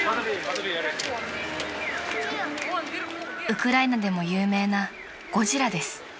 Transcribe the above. ［ウクライナでも有名なゴジラです］